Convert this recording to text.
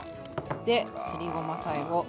ですりごま最後。